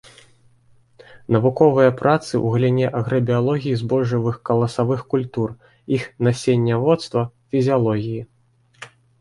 Навуковыя працы ў галіне аграбіялогіі збожжавых каласавых культур, іх насенняводства, фізіялогіі.